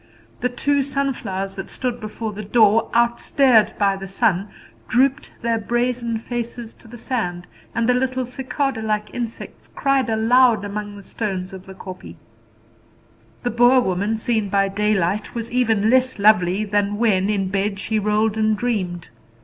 The two sunflowers that stood before the door, out stared by the sun, drooped their brazen faces to the sand; and the little cicada like insects cried aloud among the stones of the kopje. The Boer woman, seen by daylight, was even less lovely than when, in bed, she rolled and dreamed.